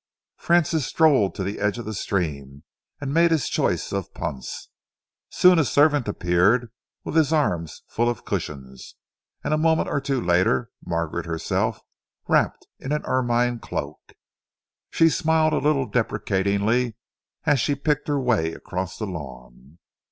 Francis strolled to the edge of the stream, and made his choice of punts. Soon a servant appeared with his arms full of cushions, and a moment or two later, Margaret herself, wrapped in an ermine cloak. She smiled a little deprecatingly as she picked her way across the lawn.